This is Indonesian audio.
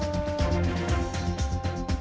dan mencari kekuatan untuk memperbaiki kekuatan